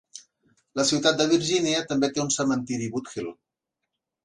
La ciutat de Virginia també té un cementiri Boothill.